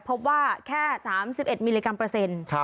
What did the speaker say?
พบว่าแค่๓๑มิลลิกรัมเปอร์เซ็นต์